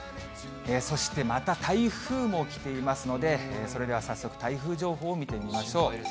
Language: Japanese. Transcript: そしてまた台風も来ていますので、それでは早速、台風情報を見てみましょう。